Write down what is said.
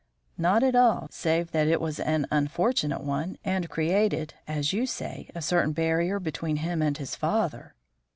"Not at all, save that it was an unfortunate one and created, as you say, a certain barrier between him and his father."